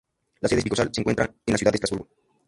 La sede episcopal se encuentra en la ciudad de Estrasburgo.